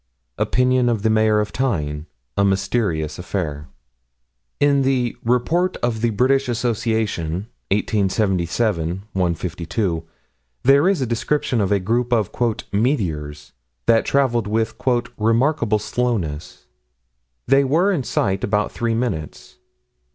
Opinion of the Mayor of Tyne "a mysterious affair." In the Report of the British Association, 1877 152, there is a description of a group of "meteors" that traveled with "remarkable slowness." They were in sight about three minutes.